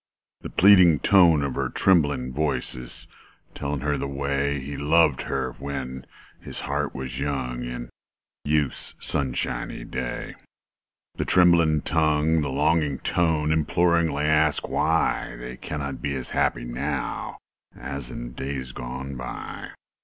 The pleading tone of a trembling voice Â Â Â Â Is telling her the way He loved her when his heart was young Â Â Â Â In Youth's sunshiny day: The trembling tongue, the longing tone, Â Â Â Â Imploringly ask why They can not be as happy now Â Â Â Â As in the days gone by.